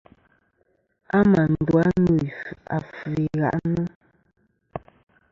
A mà ndu a ndo afvɨ i ghaʼnɨ.